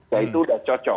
ya itu sudah cocok